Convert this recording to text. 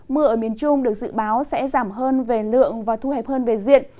mưa ở miền trung được dự báo sẽ giảm hơn về lượng và thu hẹp hơn về diện